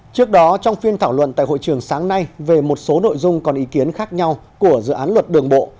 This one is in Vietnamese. trước đó trong phiên thảo luận tại hội trường sáng nay về một số nội dung còn ý kiến khác nhau của dự án luật đường bộ